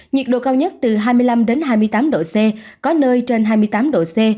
nhiệt độ cao nhất từ hai mươi năm hai mươi tám độ c có nơi trên hai mươi tám độ c